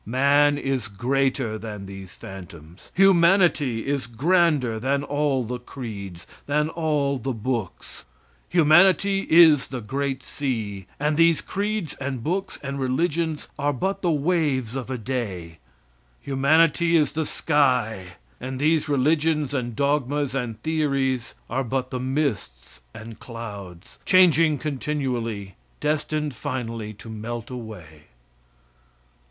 Man is greater than these phantoms. Humanity is grander than all the creeds, than all the books. Humanity is the great sea, and these creeds and books and religions are but the waves of a day. Humanity is the sky, and these religions and dogmas and theories are but the mists and clouds, changing continually, destined finally to melt away.